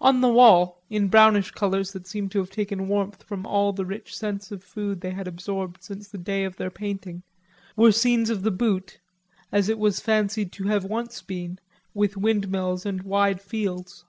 On the wall, in brownish colors that seemed to have taken warmth from all the rich scents of food they had absorbed since the day of their painting, were scenes of the Butte as it was fancied to have once been, with windmills and wide fields.